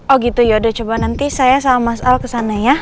oh gitu yaudah coba nanti saya sama mas al kesana ya